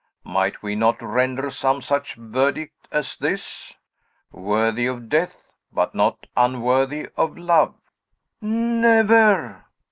Might we not render some such verdict as this? 'Worthy of Death, but not unworthy of Love! '" "Never!"